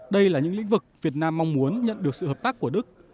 đây là những lĩnh vực việt nam mong muốn nhận được sự hợp tác của đức